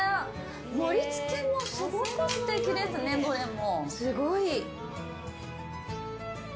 盛り付けもすごく素敵ですね、どれも。